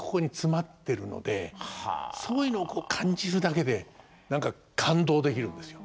そういうのを感じるだけで何か感動できるんですよ。